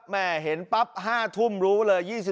เห็นปั๊บ๕ทุ่มรู้เลย